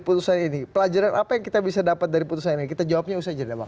putusan ini pelajaran apa yang kita bisa dapat dari putusan kita jawabnya usai jadwal